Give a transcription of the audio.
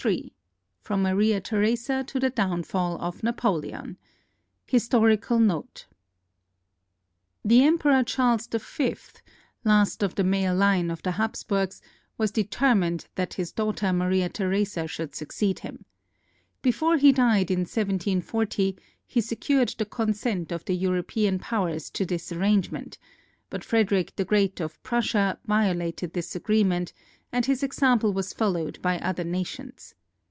Ill FROM MARIA THERESA TO THE DOWNFALL OF NAPOLEON HISTORICAL NOTE The Emperor Charles V, last of the male line of the Haps burgs, was determined that his daughter Maria Theresa should succeed him. Before he died in 1740 he secured the consent of the European Powers to this arrangement, but Frederic the Great of Prussia violated this agreement, and his example was followed by other nations.